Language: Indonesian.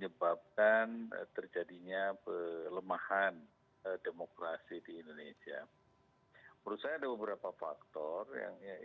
sebut negara islam mana yang di dunia ini